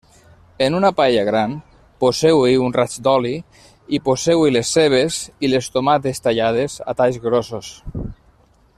En una paella gran, poseu-hi un raig d'oli i poseu-hi les cebes i les tomates tallades a talls grossos.